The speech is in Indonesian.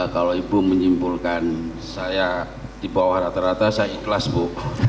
kalau ibu menyimpulkan saya di bawah rata rata saya ikhlas bu